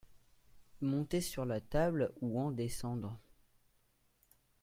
monter sur la table ou en descendre.